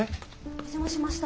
お邪魔しました。